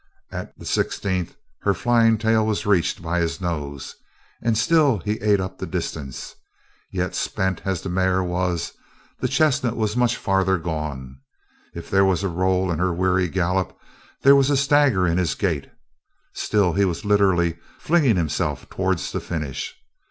At the sixteenth her flying tail was reached by his nose And still he ate up the distance. Yet spent as the mare was, the chestnut was much farther gone. If there was a roll in her weary gallop, there was a stagger in his gait; still he was literally flinging himself towards the finish.